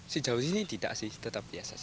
sejauh sini tidak sih tetap biasa saja